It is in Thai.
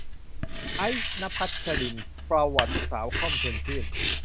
ไอซ์ ณพัชรินทร์ ประวัติลูกสาวค่อม ชวนชื่น